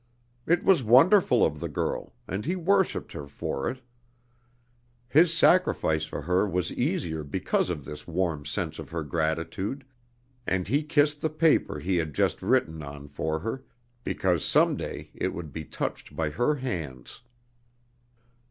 It was wonderful of the girl, and he worshiped her for it. His sacrifice for her was easier because of this warm sense of her gratitude, and he kissed the paper he had just written on for her, because some day it would be touched by her hands.